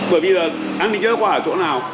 bởi vì là an ninh giáo khoa ở chỗ nào